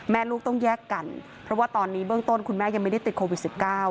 ลูกต้องแยกกันเพราะว่าตอนนี้เบื้องต้นคุณแม่ยังไม่ได้ติดโควิด๑๙